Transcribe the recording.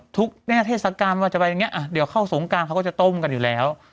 แน่เทศกาลว่าจะไปอย่างนี้เดี๋ยวเข้าสงการเขาก็จะต้มกันอยู่แล้ว